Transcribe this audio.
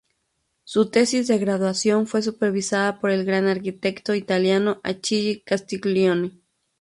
Su tesis de graduación fue supervisada por el gran arquitecto italiano Achille Castiglioni.